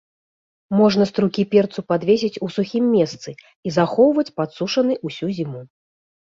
Можна струкі перцу падвесіць у сухім месцы і захоўваць падсушаны ўсю зіму.